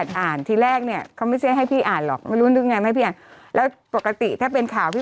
สลั้นที่มีมหาเสถียญญี่ปุ่นไป